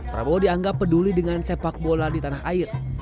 prabowo dianggap peduli dengan sepak bola di tanah air